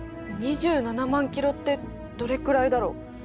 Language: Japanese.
２７万キロってどれくらいだろう。